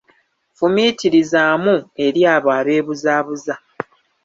Fumiitirizaamu eri abo abeebuzaabuza.